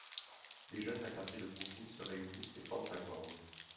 Des jeunes d'un quartier de Brooklyn se réunissent et forment un gang.